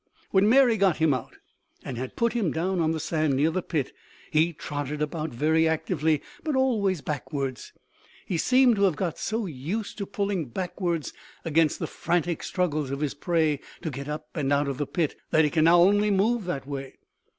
When Mary got him out and had put him down on the sand near the pit, he trotted about very actively but always backwards. He seems to have got so used to pulling backwards against the frantic struggles of his prey to get up and out of the pit, that he can now only move that way.